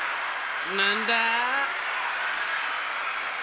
なんだ？